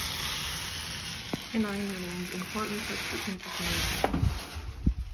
Quinine remains important for treatment of malaria.